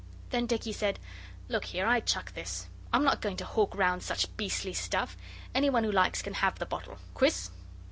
Then Dicky said: 'Look here, I chuck this. I'm not going to hawk round such beastly stuff. Any one who likes can have the bottle. Quis?